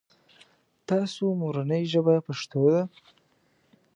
تاسو مورنۍ ژبه پښتو ده ؟